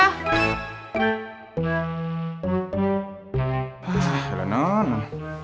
hah ya lah nah nah